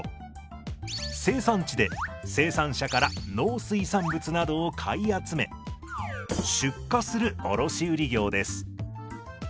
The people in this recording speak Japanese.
生産地で生産者から農水産物などを買い集め出荷する卸売業です。